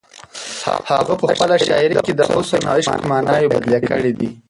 هغه په خپله شاعري کې د حسن او عشق ماناوې بدلې کړې دي.